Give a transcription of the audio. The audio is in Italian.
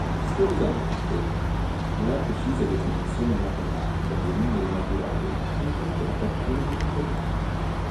Storicamente, la precisa definizione matematica dei numeri naturali ha incontrato alcune difficoltà.